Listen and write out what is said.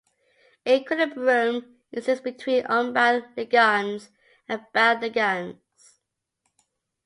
An equilibrium exists between unbound ligands and bound ligands.